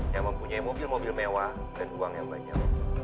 yang mempunyai mobil mobil mewah dan uang yang banyak